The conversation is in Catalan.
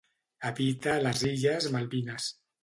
Habita a les illes Malvines.